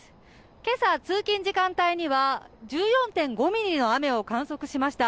今朝、通勤時間帯には１４．５ミリの雨を観測しました。